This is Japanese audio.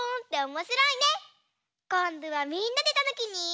こんどはみんなでたぬきに。